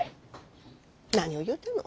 何を言うてんの！